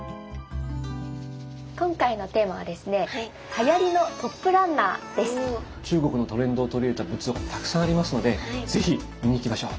今回のテーマはですね中国のトレンドを取り入れた仏像がたくさんありますので是非見に行きましょう。